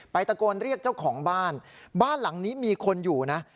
ตะโกนเรียกเจ้าของบ้านบ้านหลังนี้มีคนอยู่นะ